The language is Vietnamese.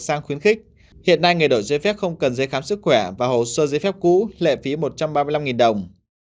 sang khuyến khích hiện nay người đổi giấy phép không cần giấy khám sức khỏe và hồ sơ giấy phép cũ lệ phí một trăm ba mươi năm đồng